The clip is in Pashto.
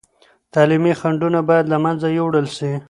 تعلیمي خنډونه باید له منځه یوړل سي.